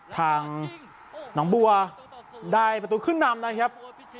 ทางหนองบัวได้ประตูขึ้นนำนะครับ